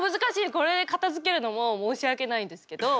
これで片づけるのも申し訳ないんですけど。